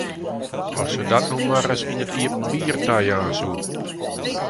As se dat no mar ris yn it iepenbier tajaan soe!